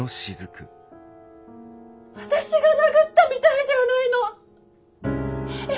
私が殴ったみたいじゃあないのッ！！